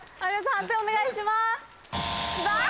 判定お願いします。